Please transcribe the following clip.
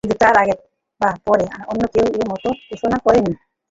কিন্তু তার আগে বা পরে অন্য কেউ এ মত পোষণ করেন নি।